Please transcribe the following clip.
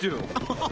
ハハハ！